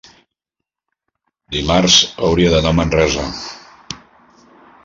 dimarts hauria d'anar a Manresa.